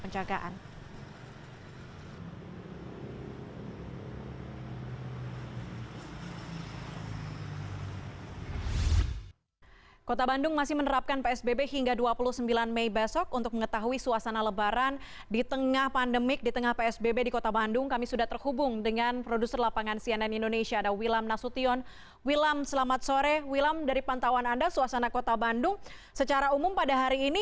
jalan asia afrika